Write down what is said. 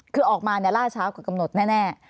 คือออกมาล่าช้ากว่ากำหนดแน่